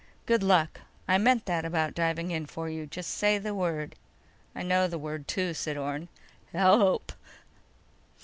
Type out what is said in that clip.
"Good luck. I meant that about diving in for you. Just say the word." "I know the word, too," said Orne. "HELP!"